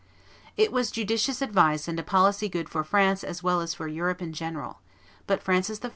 It was judicious advice and a policy good for France as well as for Europe in general; but Francis I.